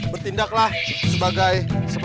bertindaklah sebagai semestinya